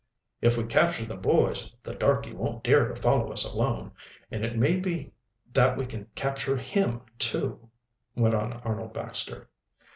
"If we capture the boys the darky won't dare to follow us alone, and it may be that we can capture him, too," went on Arnold Baxter.